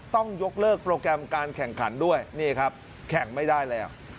ต้องยกเลิกโปรแกรมการแข่งขันด้วยนี่ครับแข่งไม่ได้แล้ว